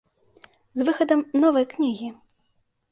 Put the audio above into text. З выхадам новай кнігі.